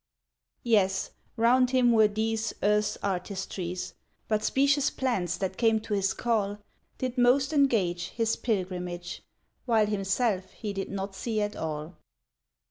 Yes, round him were these Earth's artistries, But specious plans that came to his call Did most engage His pilgrimage, While himself he did not see at all.